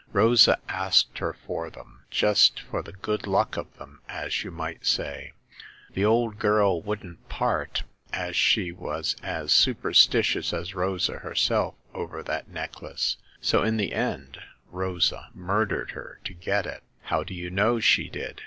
Rosa asked her for them, just for the good luck of them, as you might say. The old girl wouldn't part, as she was as superstitious as Rosa herself over that necklace ; so in the end Rosa murdered her to get it.'' How do you know she did